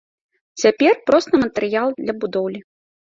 Цяпер проста матэрыял для будоўлі.